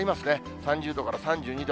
３０度から３２度。